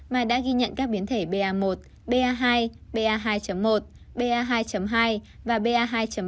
mà đã ghi nhận các biến thể ba một ba hai ba hai một ba hai hai và ba hai ba